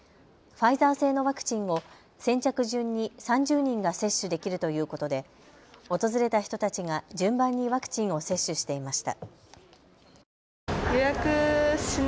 ファイザー製のワクチンを先着順に３０人が接種できるということで訪れた人たちが順番にワクチンを接種していました。